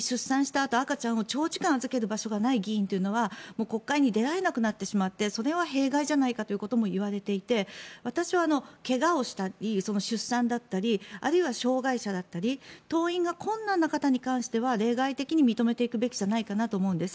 あと赤ちゃんを預けられない議員は国会に出られなくなってしまってそれは弊害じゃないかということもいわれていて私は怪我をしたり出産だったりあるいは障害者だったり登院が困難な方に関しては例外的に認めていくべきだと思います。